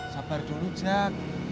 sabar dulu jak